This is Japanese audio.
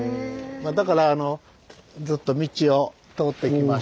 まあだからずっと道を通ってきまして。